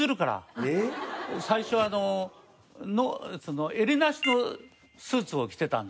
最初あの襟なしのスーツを着てたんですね。